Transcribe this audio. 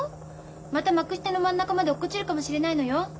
また幕下の真ん中まで落っこちるかもしれないのよ。